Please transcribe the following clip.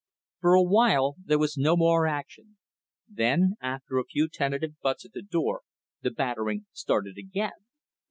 For a while there was no more action. Then, after a few tentative butts at the door, the battering started again.